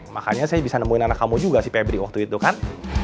makanya saya bisa nemuin anak kamu juga sih pebri waktu itu kan